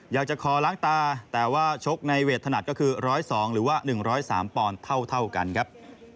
อยากจะขอล้างตาแต่ว่าชกในเวทถนัดก็คือ๑๐๒หรือว่า๑๐๓ปอนด์เท่ากันครับ